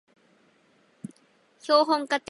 標本化定理